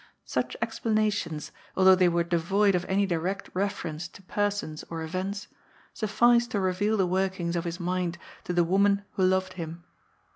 Such explanations, although they were devoid of any direct reference to persons or events, sufficed to reveal the workings of his mind to the woman who loved him.